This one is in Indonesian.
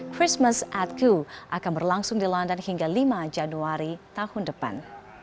christmas atcu akan berlangsung di london hingga lima januari tahun depan